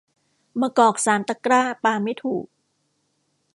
มะกอกสามตะกร้าปาไม่ถูก